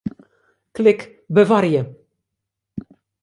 Klik Bewarje.